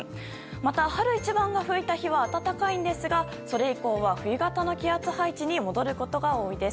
また、春一番が吹いた日は暖かいんですがそれ以降は冬型の気圧配置に戻ることが多いです。